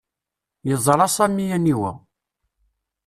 Yeẓra Sami aniwa.